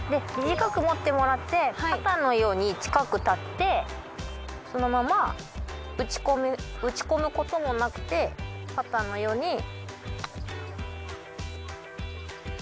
短く持ってもらってパターのように近く立ってそのまま打ち込むこともなくてパターのように。